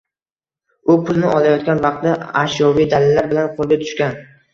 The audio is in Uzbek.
U pulni olayotgan vaqtda ashyoviy dalillar bilan qo‘lga tushgan